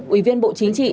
ủy viên bộ chính trị